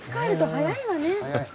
早い。